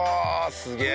すげえ！